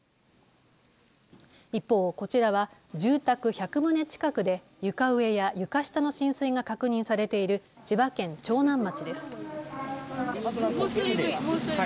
一方、こちらは住宅１００棟近くで床上や床下の浸水が確認されている千葉県長南町です。